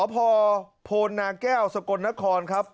พอโพนาแก้วสกลนครครับ